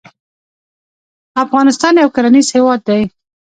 افغانستان يو کرنيز هېواد دی.